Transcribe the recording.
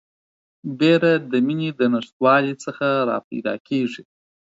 بیره د میني د نشتوالي څخه راپیدا کیږي